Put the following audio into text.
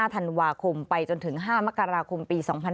ธันวาคมไปจนถึง๕มกราคมปี๒๕๕๙